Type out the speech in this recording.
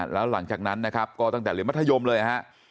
แล้วหลังจากนั้นนะครับก็ตั้งแต่เรียนมัธยมเลยฮะ